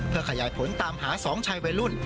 เพื่อขยายผลตามหา๒ชายวัยรุ่น